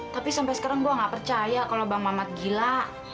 tapi sampai sekarang gue gak percaya kalau bang mamat gila